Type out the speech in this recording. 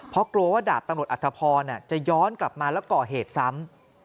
เพราะกลัวว่าดาบตำรวจอัธพรจะย้อนกลับมาแล้วก่อเหตุซ้ำ